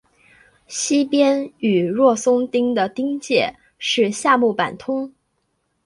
西边与若松町的町界是夏目坂通。